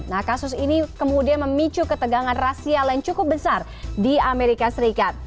nah kasus ini kemudian memicu ketegangan rasial yang cukup besar di amerika serikat